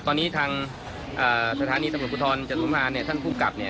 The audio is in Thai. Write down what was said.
ตอนนี้ทางสถานีพูทรท่านผู้กับ